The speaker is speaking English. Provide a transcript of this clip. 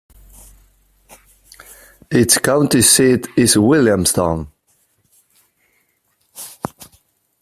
Its county seat is Williamstown.